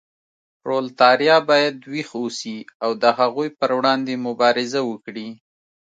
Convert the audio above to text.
پرولتاریا باید ویښ اوسي او د هغوی پر وړاندې مبارزه وکړي.